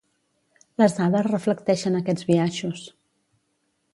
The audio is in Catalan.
Les dades reflecteixen aquests biaixos.